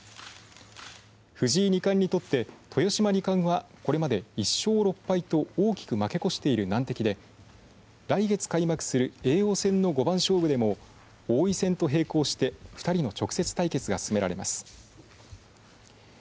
藤井二冠にとって豊島二冠は、これまで１勝６敗と、大きく負け越している難敵で来月開幕する叡王戦の五番勝負でも王位戦と並行して２人の直接対決が進められます。